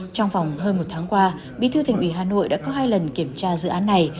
trong vòng hơn một tháng qua bí thư thành ủy hà nội đã có hai lần kiểm tra dự án này